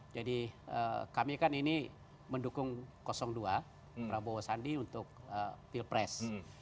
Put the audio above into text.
jadi kami kan ini mendukung dua prabowo sandi untuk pilpres